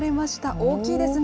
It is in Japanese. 大きいですね。